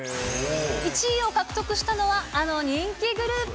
１位を獲得したのは、あの人気グループ。